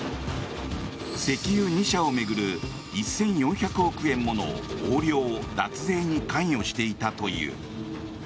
石油２社を巡る１４００億円もの横領・脱税に関与していたという。